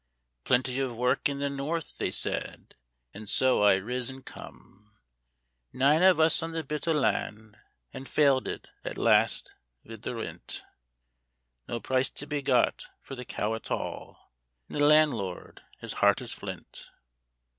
"Plenty of work in the North/' they said, an' so I riz an' come. Nine of us on the bit o' land, an' failded at last wid the rint ; No price to be got for the cow at all, an' the lan'lord as hard as flint